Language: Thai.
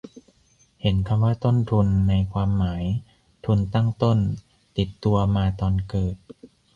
เห็นคำว่า "ต้นทุน" ในความหมาย "ทุนตั้งต้น" ติดตัวมาตอนเกิด